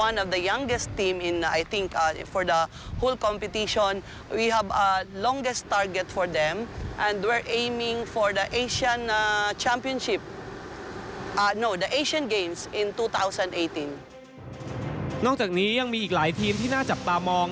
นอกจากนี้ยังมีอีกหลายทีมที่น่าจับตามอง